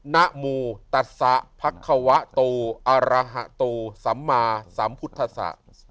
นอมโมตัสสะภัคควะโตอรหะโตสัมมาสัมพุทธศะ